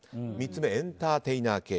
３つ目、エンターテイナー系。